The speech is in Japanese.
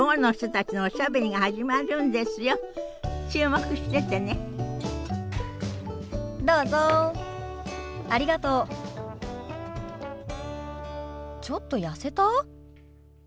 ちょっと痩せた？